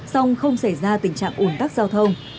song không xảy ra tình trạng ủn tắc giao thông